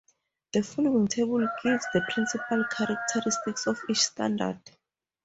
The following table gives the principal characteristics of each standard.